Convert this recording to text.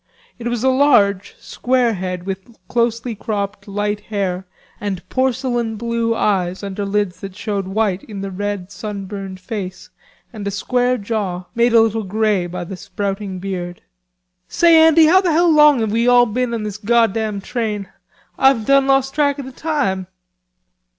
It was a large square head with closely cropped light hair and porcelain blue eyes under lids that showed white in the red sunburned face, and a square jaw made a little grey by the sprouting beard. "Say, Andy, how the hell long have we all been in this goddam train?... Ah've done lost track o' the time...."